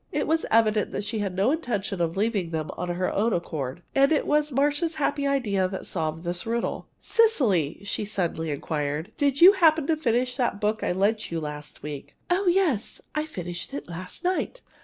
It was evident that she had no intention of leaving them of her own accord. And it was Marcia's happy idea that solved this riddle. "Cecily," she suddenly inquired, "do you happen to have finished that book I lent you last week?" "Oh, yes! I finished it last night.